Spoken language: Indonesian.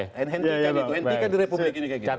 henti kan di republik ini kayak gitu